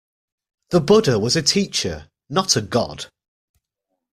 The Buddha was a teacher, not a god.